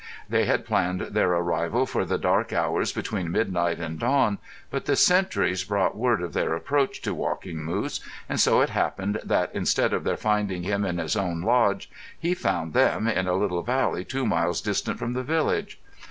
They had planned their arrival for the dark hours between midnight and dawn, but the sentries brought word of their approach to Walking Moose, and so it happened that instead of their finding him in his own lodge, he found them in a little valley two miles distant from the village.